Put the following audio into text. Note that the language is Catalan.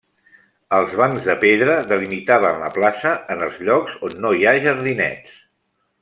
Els bancs de pedra delimitaven la plaça en els llocs on no hi ha jardinets.